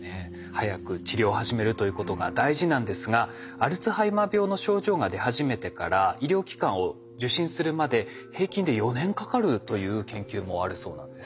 早く治療を始めるということが大事なんですがアルツハイマー病の症状が出始めてから医療機関を受診するまで平均で４年かかるという研究もあるそうなんです。